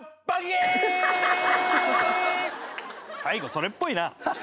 最後それっぽいな。